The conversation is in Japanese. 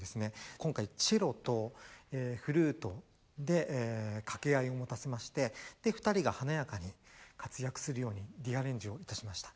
今回チェロとフルートで掛け合いを持たせましてで二人が華やかに活躍するようにリアレンジをいたしました。